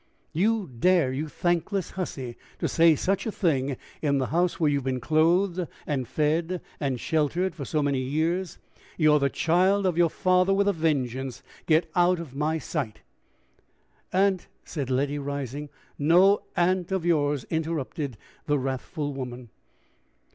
"You dare, you thankless hussy, to say such a thing in the house where you've been clothed and fed and sheltered for so many years! You're the child of your father with a vengeance! Get out of my sight!" "Aunt " said Letty, rising. "No aunt of yours!" interrupted the wrathful woman.